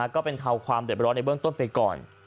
ก็เป็นเท่าความเตรียมร้อนในเบื้องต้นไปก่อน